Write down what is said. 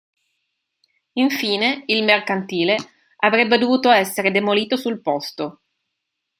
Infine il mercantile avrebbe dovuto essere demolito sul posto.